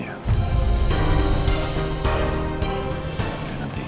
kakak punya kekuasaan